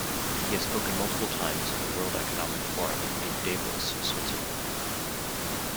He has spoken multiple times at the World Economic Forum in Davos, Switzerland.